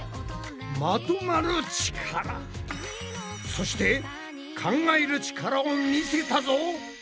そして考える力をみせたぞ！